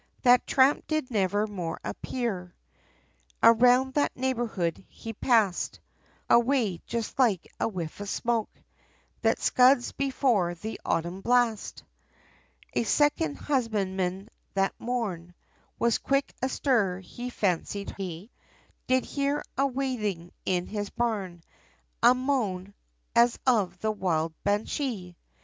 That tramp did never more appear Around that neighbourhood, he passed Away, just like a whiff of smoke, That scuds before the autumn blast! A second husbandman that morn, Was quick astir, he fancied he Did hear, a wailing in his barn, A moan, as of the wild banshee!